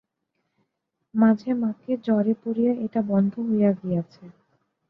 মাঝে মাকে জ্বরে পড়িয়া এটা বন্ধ হইয়া গিয়াছে।